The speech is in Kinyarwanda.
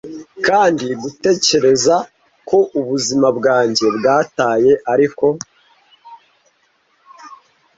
kandi gutekereza ko ubuzima bwanjye bwataye ariko